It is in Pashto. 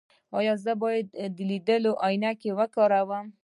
ایا زه باید د لیدلو عینکې وکاروم؟